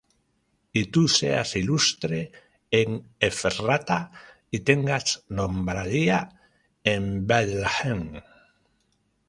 y tú seas ilustre en Ephrata, y tengas nombradía en Beth-lehem;